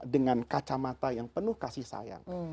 dengan kacamata yang penuh kasih sayang